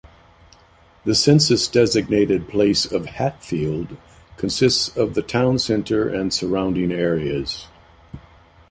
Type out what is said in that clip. The census-designated place of Hatfield consists of the town center and surrounding areas.